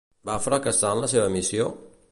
Va fracassar en la seva missió?